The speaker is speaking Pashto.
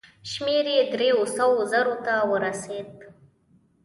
شمېر یې دریو سوو زرو ته ورسېد.